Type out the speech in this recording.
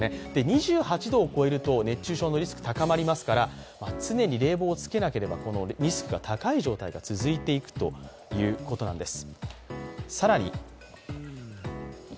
２８度を超えると熱中症のリスクが高まりますから、常に冷房をつけなければリスクが高い状態が続いていくということなんです。